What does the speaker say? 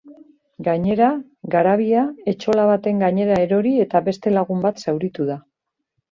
Gainera, garabia etxola baten gainera erori eta beste lagun bat zauritu da.